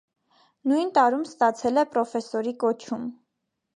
Նույն տարում ստացել է պրոֆեսորի կոչում։